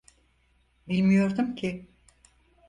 Bilmiyordum ki.